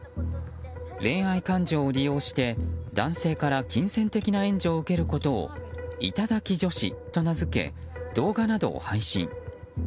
恋愛感情を利用して、男性から金銭的な援助を受けることを頂き女子と名付け動画などを配信。